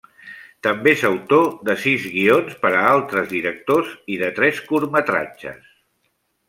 També és autor de sis guions per a altres directors i de tres curtmetratges.